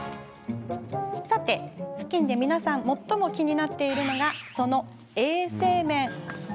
さて、ふきんで皆さんが最も気になっているのがその衛生面。